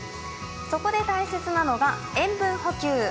そこで大切なのが塩分補給。